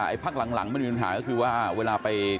ไอ่พักหลังไม่มีปัญหาคือว่า